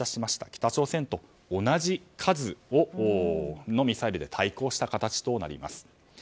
北朝鮮と同じ数のミサイルで対抗した形となります。